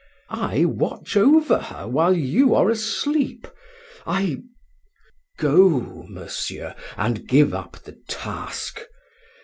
I watch over her while you are asleep, I Go, monsieur, and give up the task.